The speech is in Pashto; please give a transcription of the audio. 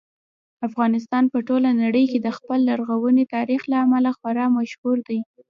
افغانستان په ټوله نړۍ کې د خپل لرغوني تاریخ له امله خورا مشهور دی.